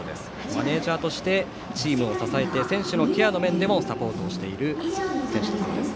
マネージャーとしてチームを支えて選手のケアの面でもサポートしている選手だそうです。